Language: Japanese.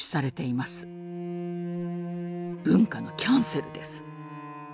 文化のキャンセルです。